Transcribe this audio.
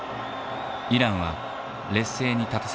イランは劣勢に立たされた。